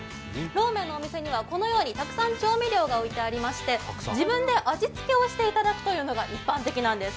ローメンのお店にはたくさん調味料が置いてありまして自分で味付けをするというのが一般的なんです。